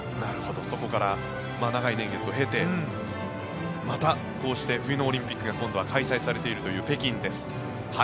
そこから長い年月を経てまたこうして冬のオリンピックが今度は開催されているという北京です。